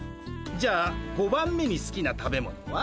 じゃあ５番目にすきな食べ物は？